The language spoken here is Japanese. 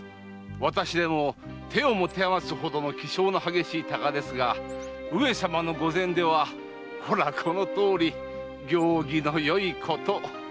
私でも手を持て余すほどの気性の激しい鷹ですが上様の御前ではほらこのとおり行儀のよいこと。